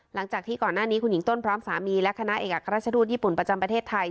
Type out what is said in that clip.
หลังจากที่ก่อนหน้านี้คุณหญิงต้นพร้อมสามีและคณะเอกราชทูตญี่ปุ่นประจำประเทศไทย